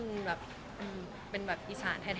แฟนคลับของคุณไม่ควรเราอะไรไง